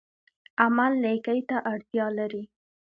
عمل نیکۍ ته اړتیا لري